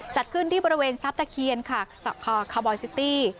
จัดขึ้นที่บริเวณซับตะเคียนค่ะคาวบอยซิตี้